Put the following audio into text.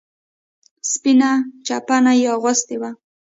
سپينه چپنه يې اغوستې وه.